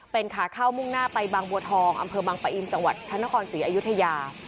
เป็นขาเข้ามุ่งหน้าไปบางบัวทองอำเภอบังปะอินจังหวัดพระนครศรีอยุธยา